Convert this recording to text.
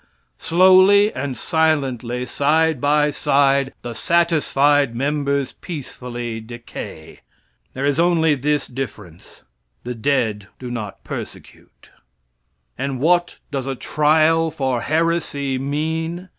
Slowly and silently, side by side, the satisfied members peacefully decay. There is only this difference the dead do not persecute. And what does a trial for heresy mean?